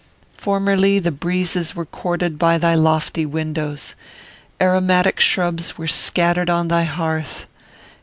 Formerly, the breezes were courted by thy lofty windows. Aromatic shrubs were scattered on thy hearth.